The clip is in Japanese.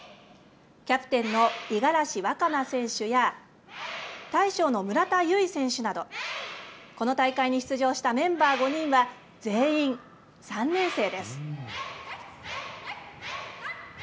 キャプテンの五十嵐和奏選手や大将の村田結依選手など、この大会に出場したメンバー５人は全員３年生です。